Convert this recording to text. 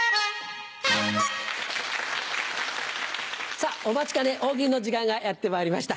さぁお待ちかね「大喜利」の時間がやってまいりました。